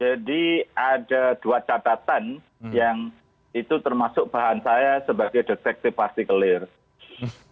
jadi ada dua catatan yang itu termasuk bahan saya sebagai detektif pasti kelihatan